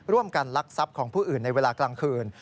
ลักทรัพย์ของผู้อื่นในเวลากลางคืน